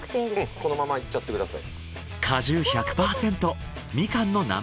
このままいっちゃってください。